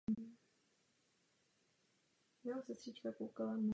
Sám vlastnil několik studií filmových efektů včetně Stan Winston Digital.